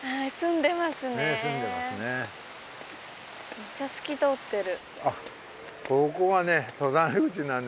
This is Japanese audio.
めっちゃ透き通ってる。